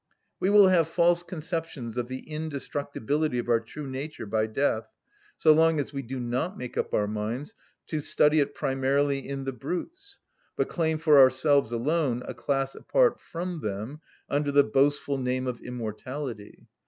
We will have false conceptions of the indestructibility of our true nature by death, so long as we do not make up our minds to study it primarily in the brutes, but claim for ourselves alone a class apart from them, under the boastful name of immortality.